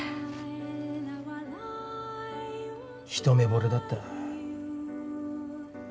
一目ぼれだった。